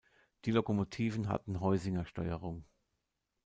Die Lokomotiven hatten Heusingersteuerung.